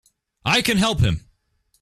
I can help him!